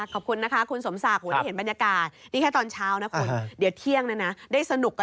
ค่ะขอบคุณนะคะคุณสมศักดิ์ผมได้เห็นบรรยากาศ